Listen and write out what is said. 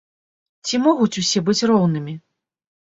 Ці могуць усе быць роўнымі?